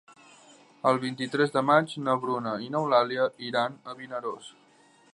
El vint-i-tres de maig na Bruna i n'Eulàlia iran a Vinaròs.